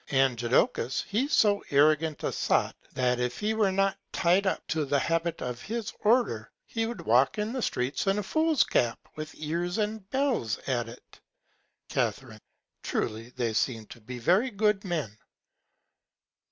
And Jodocus he's so arrant a Sot, that if he were not ty'd up to the Habit of his Order, he would walk the Streets in a Fool's Cap with Ears and Bells at it. Ca. Truly they seem to me to be very good Men.